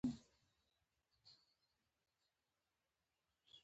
د میوو د ونو عمر څومره دی؟